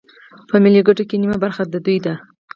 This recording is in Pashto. په ملي ګټو کې نیمه برخه د دوی ده